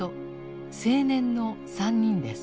青年の３人です。